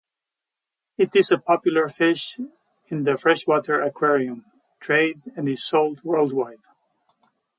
It is a popular fish in the freshwater aquarium trade and is sold worldwide.